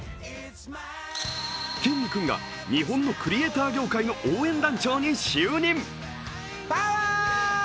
きんに君が日本のクリエイター業界の応援団長に就任。